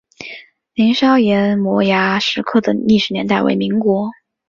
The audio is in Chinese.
凌霄岩摩崖石刻的历史年代为民国。